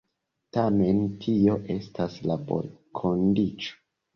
Tamen tio estas laborkondiĉo.